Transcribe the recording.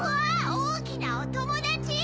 おおきなおともだち！